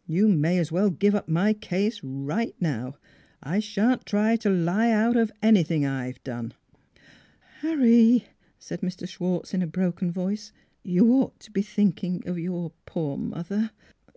... You may as well give up my case right now. I shan't try to lie out of any thing I've done." " Harry," said Mr. Schwartz in a broken voice, " you ought to be thinking of your poor mother.